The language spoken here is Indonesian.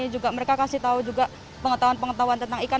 juga mereka kasih tahu juga pengetahuan pengetahuan tentang ikan